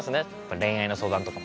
恋愛の相談とかも。